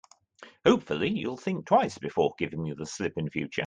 Hopefully, you'll think twice before giving me the slip in future.